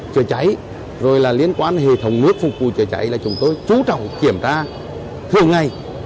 chữa cháy rồi là liên quan đến hệ thống nước phục vụ chữa cháy là chúng tôi chú trọng kiểm tra thường ngày